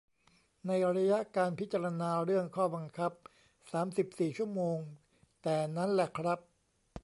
ในระยะการพิจารณาเรื่องข้อบังคับ สามสิบสี่ ชั่วโมง แต่นั้นแหละครับ